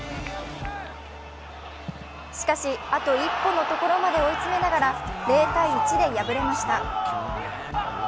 しかし、あと一歩のところまで追い詰めながら０−１で敗れました。